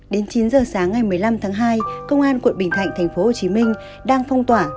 đến chín giờ sáng ngày một mươi năm tháng hai công an quận bình thạnh tp hcm đang phong tỏa